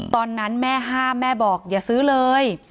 ตอนนั้นแม่ห้ามแม่บอกอย่าซื้อเลย